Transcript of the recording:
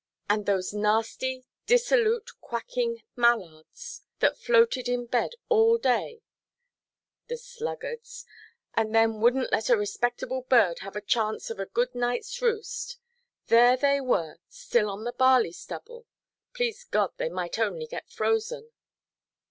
And those nasty dissolute quacking mallards that floated in bed all day, the sluggards, and then wouldnʼt let a respectable bird have a chance of a good nightʼs roost—there they were still on the barley–stubble; please God they might only get frozen!